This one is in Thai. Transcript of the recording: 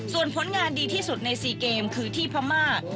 ส่วนผลงานดีที่สุดใน๔เกมคือที่พม่า